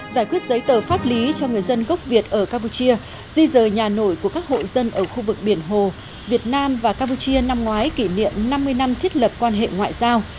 giải quyết giấy tờ pháp lý cho người dân gốc việt ở campuchia di rời nhà nổi của các hộ dân ở khu vực biển hồ việt nam và campuchia năm ngoái kỷ niệm năm mươi năm thiết lập quan hệ ngoại giao